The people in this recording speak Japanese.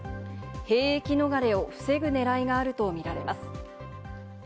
兵役逃れを防ぐねらいがあるとみられます。